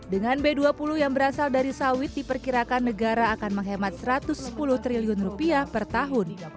dengan b dua puluh yang berasal dari sawit diperkirakan negara akan menghemat rp satu ratus sepuluh triliun rupiah per tahun